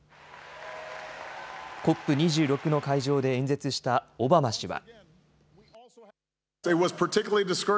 ＣＯＰ２６の会場で演説したオバマ氏は。